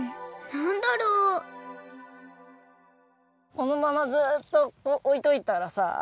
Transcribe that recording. このままずっとおいといたらさ。